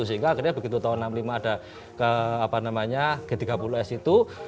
sehingga akhirnya begitu tahun seribu sembilan ratus enam puluh lima ada g tiga puluh s itu